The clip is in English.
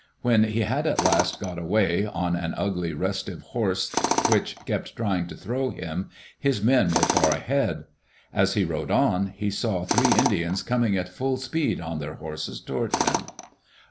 When he did at last get away, on an ugly> restive horse which kept trying to throw him, his men were far ahead. As he rode on, he saw three Indians coming at full speed on their horses toward him.